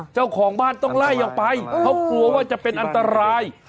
เจ้าของบ้านต้องไล่ออกไปเขากลัวว่าจะเป็นอันตราย